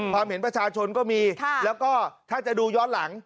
เห็นประชาชนก็มีแล้วก็ถ้าจะดูย้อนหลัง